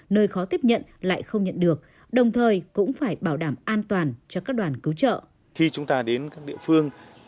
nơi khó tiếp nhận lại không nhận được đồng thời cũng phải bảo đảm an toàn cho các đoàn cứu trợ